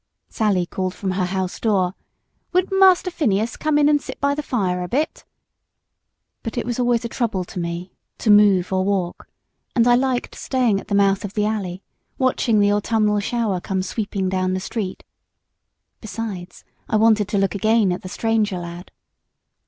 Sally called from her house door, "Wouldn't Master Phineas come in and sit by the fire a bit?" But it was always a trouble to me to move or walk; and I liked staying at the mouth of the alley, watching the autumnal shower come sweeping down the street: besides, I wanted to look again at the stranger lad.